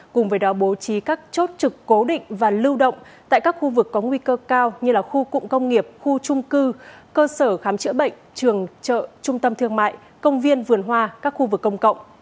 cùng với đó bố trí các chốt trực cố định và lưu động tại các khu vực có nguy cơ cao như khu cụm công nghiệp khu trung cư cơ sở khám chữa bệnh trường chợ trung tâm thương mại công viên vườn hoa các khu vực công cộng